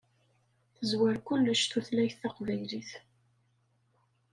Tezwar kullec tutlayt taqbaylit.